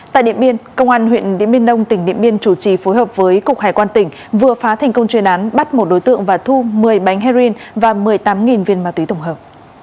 tại điện biên công an huyện điện biên đông tỉnh điện biên chủ trì phối hợp với cục hải quan tỉnh vừa phá thành công chuyên án bắt một đối tượng và thu một mươi bánh heroin và một mươi tám viên ma túy tổng hợp